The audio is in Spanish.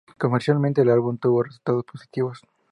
Comercialmente, el álbum tuvo resultados positivos.